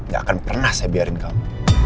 gak akan pernah saya biarin kamu